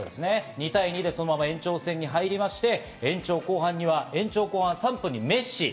２対２でそのまま延長戦に入りまして、延長後半には３分にメッシ。